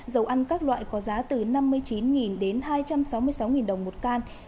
dầu ăn các loại có giá từ năm mươi chín đến hai trăm sáu mươi sáu đồng một can